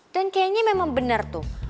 dan kayaknya memang benar tuh